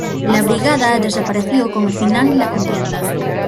La brigada desapareció con el final de la contienda.